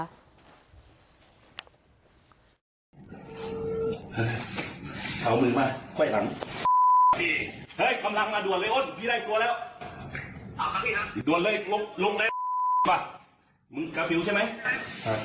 เอามือมาค่อยหลังเฮ้ยกำลังมาด่วนเลยโอ๊ดพี่ได้ตัวแล้ว